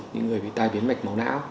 những người bị tai biến mạch máu não